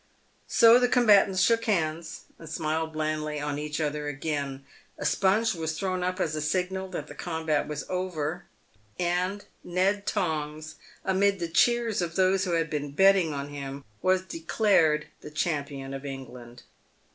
So the combatants shook hands, and smiled blandly on each other again. A sponge was thrown up as a signal that the combat was over, and Ned Tongs, amid the cheers of those who had been betting on him, was declared champion of England.